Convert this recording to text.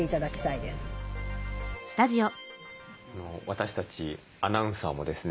私たちアナウンサーもですね